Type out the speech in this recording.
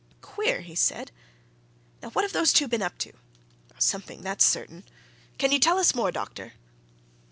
"Queer!" he said. "Now what have those two been up to? something, that's certain. Can you tell us more, doctor?"